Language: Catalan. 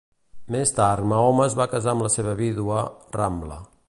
Més tard, Mahoma es va casar amb la seva vídua, Ramla.